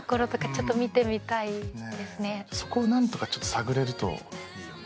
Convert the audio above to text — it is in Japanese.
なんかそこをなんとかちょっと探れるといいよね。